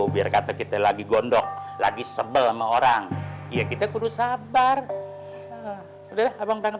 biar kata kita lagi gondok lagi sebel sama orang ya kita kudus sabar udah abang dan